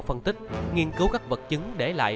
phân tích nghiên cứu các vật chứng để lại